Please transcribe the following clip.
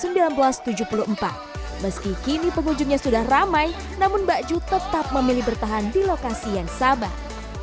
seribu sembilan ratus tujuh puluh empat meski kini pengunjungnya sudah ramai namun mbak ju tetap memilih bertahan di lokasi yang sabar